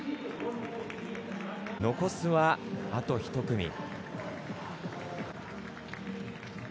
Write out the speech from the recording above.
残すは、あと１組。